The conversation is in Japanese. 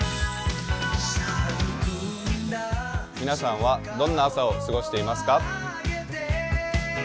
皆さんはどんな朝を過ごしていますか？